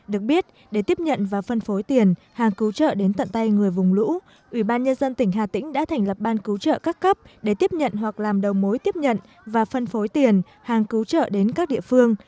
được biết để tiếp nhận và phân phối tiền hàng cứu trợ đến tận tay người vùng lũ ủy ban nhân dân tỉnh hà tĩnh đã thành lập ban cứu trợ các cấp để tiếp nhận hoặc làm đầu mối tiếp nhận và phân phối tiền hàng cứu trợ đến các địa phương